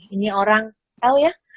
ini orang tau ya